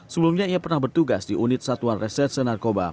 sebelumnya ia pernah bertugas di unit satuan resor senarkoba